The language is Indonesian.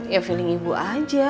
ya feeling ibu aja